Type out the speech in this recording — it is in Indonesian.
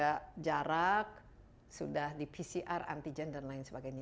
sudah jarak sudah di pcr anti gen dan lain sebagainya